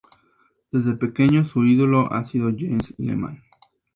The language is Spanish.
Desde pequeño, su ídolo ha sido Jens Lehmann.